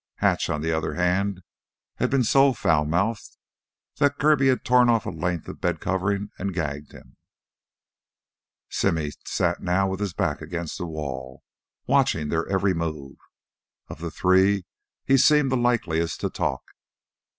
Hatch, on the other hand, had been so foul mouthed that Kirby had torn off a length of the bed covering and gagged him. Simmy sat now with his back against the wall, watching their every move. Of the three, he seemed the likeliest to talk.